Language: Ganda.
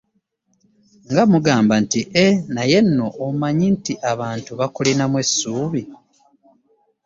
Nga mmugamba nti Ee naye no omanyi nti abantu bakulinamu essuubi.